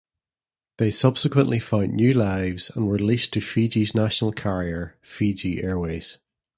They subsequently found new lives and were leased to Fiji's national carrier Fiji Airways.